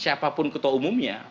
siapapun ketua umumnya